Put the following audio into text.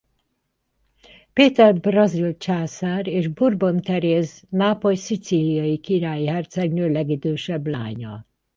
Péter brazil császár és Bourbon Teréz nápoly–szicíliai királyi hercegnő legidősebb lánya.